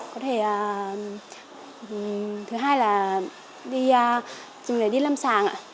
có thể thứ hai là dùng để đi lâm sàng